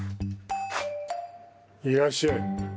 いらっしゃい。